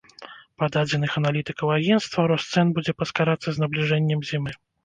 Па дадзеных аналітыкаў агенцтва, рост цэн будзе паскарацца з набліжэннем зімы.